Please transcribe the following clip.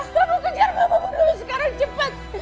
kamu kejar mamamu dulu sekarang cepat